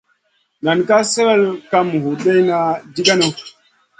Nan ka swel kam hurduwda jiganou.